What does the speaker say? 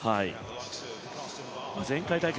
前回大会